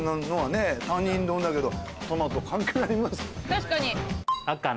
確かに。